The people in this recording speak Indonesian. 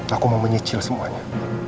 aku mau menyicil semuanya